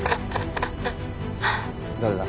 誰だ？